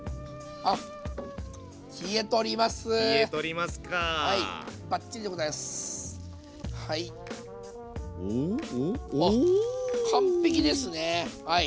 あっ完璧ですねはい。